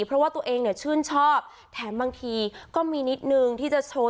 เพราะว่าตัวเองเนี่ยชื่นชอบแถมบางทีก็มีนิดนึงที่จะโชว์